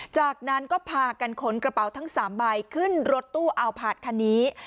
จากนั้นก็พากันขนกระเป๋าทั้ง๓ใบขึ้นรถตู้อัลพาร์ทคันนี้